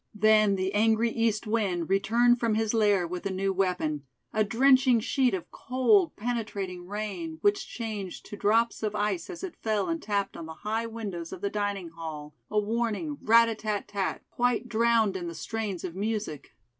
Then the angry East wind returned from his lair with a new weapon: a drenching sheet of cold, penetrating rain, which changed to drops of ice as it fell and tapped on the high windows of the dining hall a warning rat tat tat quite drowned in the strains of music.